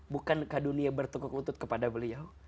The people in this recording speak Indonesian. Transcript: bukankah dunia bertukuk utut kepada beliau